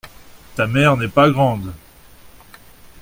Ta mère n’est pas grande.